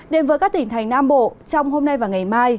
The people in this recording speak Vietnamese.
đến với các tỉnh thành nam bộ trong hôm nay và ngày mai